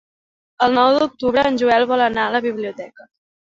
El nou d'octubre en Joel vol anar a la biblioteca.